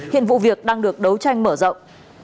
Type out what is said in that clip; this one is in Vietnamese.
hiện vụ việc đang được đấu tranh mở rộng